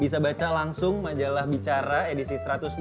bisa baca langsung majalah bicara edisi satu ratus lima puluh